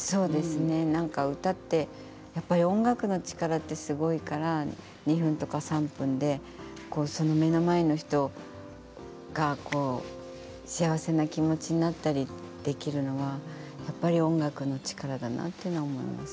歌って音楽の力ってすごいから２分とか３分で目の前の人が幸せな気持ちになったりできるのがやっぱり音楽の力だなと思います。